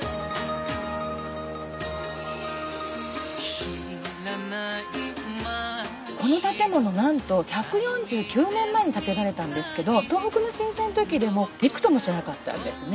知らない街をこの建物なんと１４９年前に建てられたんですけど東北の震災の時でもビクともしなかったんですね。